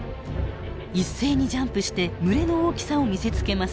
一斉にジャンプして群れの大きさを見せつけます。